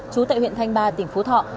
chú tại huyện thanh ba tỉnh phú thọ